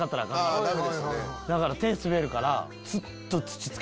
だから手滑るから。